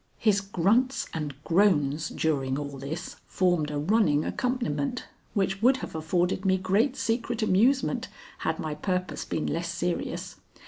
His grunts and groans during all this formed a running accompaniment which would have afforded me great secret amusement had my purpose been less serious.